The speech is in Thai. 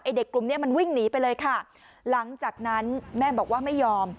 เด็กกลุ่มเนี้ยมันวิ่งหนีไปเลยค่ะหลังจากนั้นแม่บอกว่าไม่ยอม